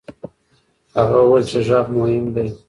هغه وویل چې غږ مهم دی.